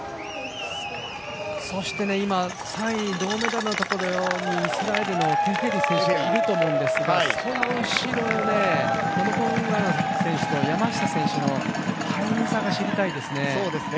そして今、３位銅メダルのところにイスラエルのテフェリ選手いると思うんですがその後ろ、ラマコンゴアナ選手と山下選手のタイム差が知りたいですね。